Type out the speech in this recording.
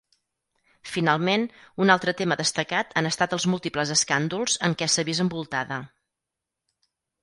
Finalment, un altre tema destacat han estat els múltiples escàndols en què s'ha vist envoltada.